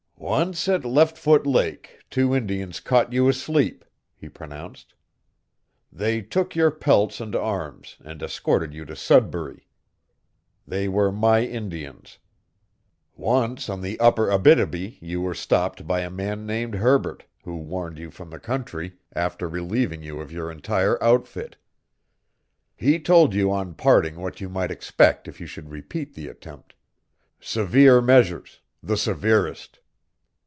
"Once at Leftfoot Lake, two Indians caught you asleep," he pronounced. "They took your pelts and arms, and escorted you to Sudbury. They were my Indians. Once on the upper Abítibi you were stopped by a man named Herbert, who warned you from the country, after relieving you of your entire outfit. He told you on parting what you might expect if you should repeat the attempt severe measures, the severest.